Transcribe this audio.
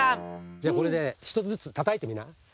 じゃこれで１つずつたたいてみな。